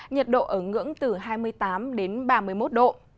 nhiệt độ ở ngưỡng từ hai mươi tám đến ba mươi một độ